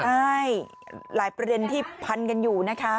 ใช่หลายประเด็นที่พันกันอยู่นะคะ